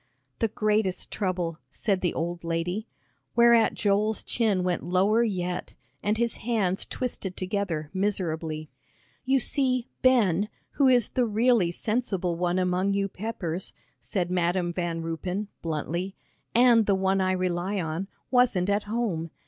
"The greatest trouble," said the old lady, whereat Joel's chin went lower yet, and his hands twisted together miserably. "You see Ben, who is the really sensible one among you Peppers," said Madam Van Ruypen, bluntly, "and the one I rely on, wasn't at home.